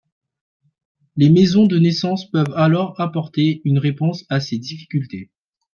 Les maisons de naissance peuvent alors apporter une réponse à ces difficultés.